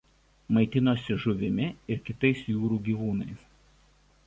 Maitinosi žuvimi ir kitais jūrų gyvūnais.